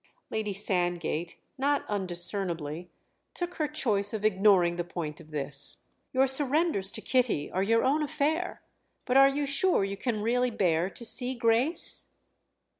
Lady Sandgate, not undiscernibly, took her choice of ignoring the point of this. "Your surrenders to Kitty are your own affair—but are you sure you can really bear to see Grace?"